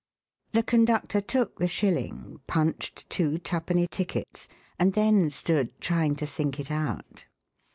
The conductor took the shilling, punched two twopenny tickets, and then stood trying to think it out.